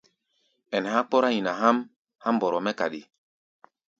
Ɛnɛ há̧ kpɔ́rá nyina há̧ʼm há̧ mbɔrɔ mɛ́ kaɗi.